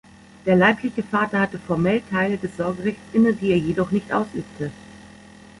Der leibliche Vater hatte formell Teile des Sorgerechts inne, die er jedoch nicht ausübte.